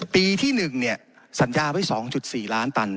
ปีที่หนึ่งเนี่ยสัญญาไว้สองจุดสี่ล้านตัน